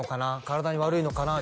体に悪いのかな？